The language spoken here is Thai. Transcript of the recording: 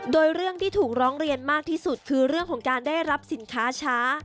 โดยเรื่องที่ถูกร้องเรียนมากที่สุดคือเรื่องของการได้รับสินค้าช้า